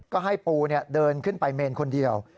ก็ให้ปูเดินขึ้นไปเมนคนเดียว